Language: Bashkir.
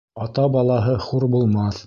Ата балаһы хур булмаҫ.